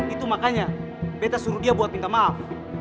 itu makanya beda suruh dia buat minta maaf